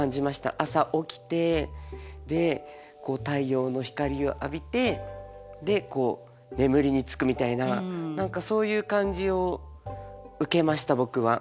朝起きてで太陽の光を浴びてで眠りにつくみたいな何かそういう感じを受けました僕は。